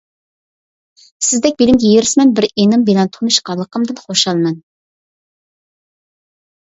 سىزدەك بىلىمگە ھېرىسمەن بىر ئېنىم بىلەن تونۇشقانلىقىمدىن خۇشالمەن.